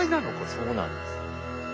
そうなんです。